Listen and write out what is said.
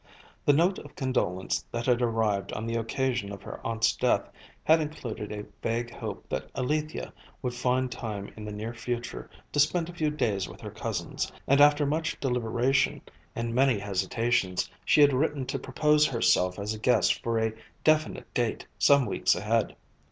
The note of condolence that had arrived on the occasion of her aunt's death had included a vague hope that Alethia would find time in the near future to spend a few days with her cousins, and after much deliberation and many hesitations she had written to propose herself as a guest for a definite date some weeks ahead.